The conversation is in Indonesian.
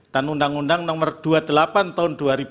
dan undang undang no dua puluh delapan tahun dua ribu dua